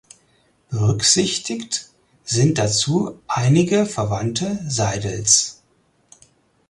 Berücksichtigt sind dazu einige Verwandte Seidels.